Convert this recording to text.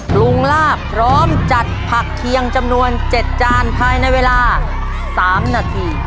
ปรุงลาบพร้อมจัดผักเคียงจำนวน๗จานภายในเวลา๓นาที